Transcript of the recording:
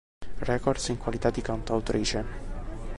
Records in qualità di cantautrice.